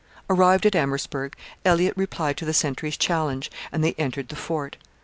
Arrived at Amherstburg, Elliott replied to the sentry's challenge, and they entered the fort.